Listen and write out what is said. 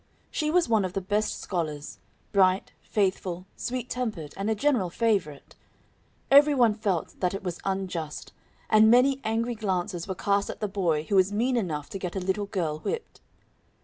She was one of the best scholars; bright, faithful, sweet tempered, and a general favorite. Every one felt that it was unjust; and many angry glances were cast at the boy who was mean enough to get a little girl whipped.